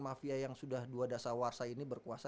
mafia yang sudah dua dasa warsa ini berkuasa